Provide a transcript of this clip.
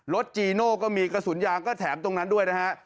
จีโน่ก็มีกระสุนยางก็แถมตรงนั้นด้วยนะฮะ